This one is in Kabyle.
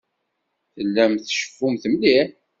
Tellamt tceffumt mliḥ.